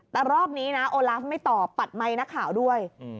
แต่รอบนี้นะโอลาฟไม่ตอบปัดไมค์นักข่าวด้วย